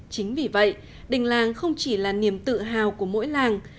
chính vì vậy đình làng không chỉ là niềm tự hào của mỗi làng